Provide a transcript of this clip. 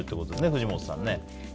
藤本さん。